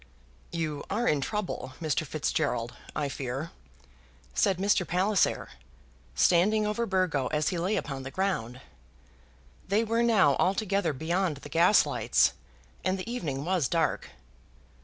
"You are in trouble, Mr. Fitzgerald, I fear," said Mr. Palliser, standing over Burgo as he lay upon the ground. They were now altogether beyond the gas lights, and the evening was dark.